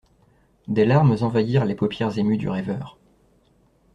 Des larmes envahirent les paupières émues du rêveur.